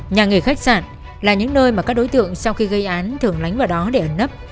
nhà nghề khách sạn là những nơi mà các đối tượng sau khi gây án thường lánh vào đó để ẩn nấp